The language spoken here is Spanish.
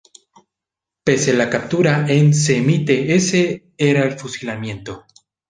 Pese la captura en se emite ese era el fusilamiento.